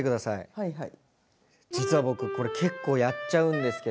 はいはい。